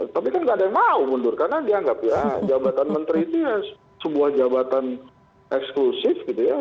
tapi kan nggak ada yang mau mundur karena dianggap ya jabatan menteri itu ya sebuah jabatan eksklusif gitu ya